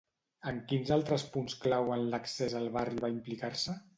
En quins altres punts clau en l'accés al barri va implicar-se?